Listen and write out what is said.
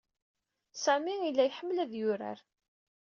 Sami yella iḥemmel ad yurar.